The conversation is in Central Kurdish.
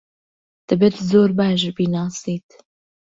دەبێت زۆر باش بیناسیت.